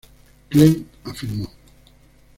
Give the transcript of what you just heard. Klemm afirmó